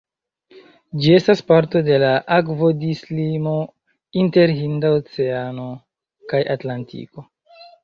Ĝi estas parto de la akvodislimo inter Hinda Oceano kaj Atlantiko.